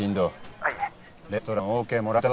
はい。